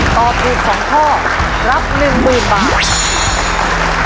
ตอบถูกสองข้อรับหนึ่งหมื่นบาท